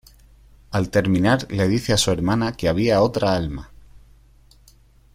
Al terminar le dice a su hermana que había otra alma.